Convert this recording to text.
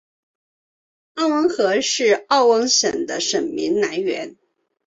奥恩河是奥恩省的省名来源。